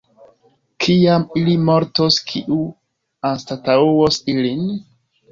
Kiam ili mortos, kiu anstataŭos ilin?